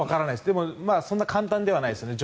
でもそんなに簡単ではないですね。